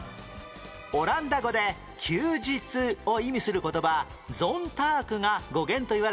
オランダ語で「休日」を意味する言葉「ゾンターク」が語源といわれている